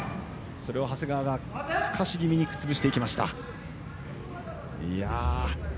それを長谷川、すかし気味に潰していきました。